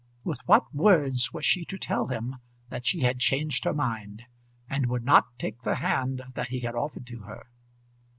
With what words was she to tell him that she had changed her mind and would not take the hand that he had offered to her?